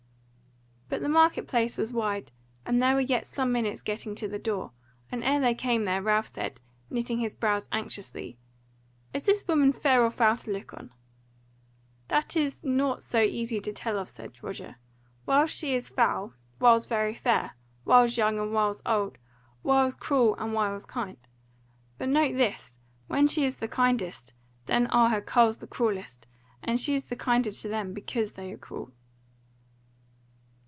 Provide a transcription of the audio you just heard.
But the market place was wide, and they were yet some minutes getting to the door, and ere they came there Ralph said, knitting his brows anxiously: "Is this woman fair or foul to look on?" "That is nought so easy to tell of," said Roger, "whiles she is foul, whiles very fair, whiles young and whiles old; whiles cruel and whiles kind. But note this, when she is the kindest then are her carles the cruellest; and she is the kinder to them because they are cruel."